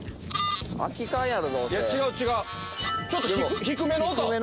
ちょっと低めの音。